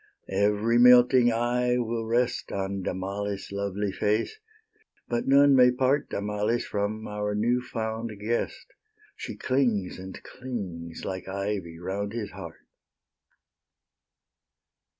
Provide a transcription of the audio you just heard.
Every melting eye will rest On Damalis' lovely face; but none may part Damalis from our new found guest; She clings, and clings, like ivy, round his heart.